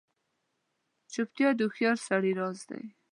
چوپتیا، د هوښیار سړي راز دی.